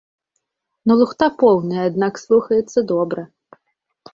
Ну лухта поўная, аднак слухаецца добра!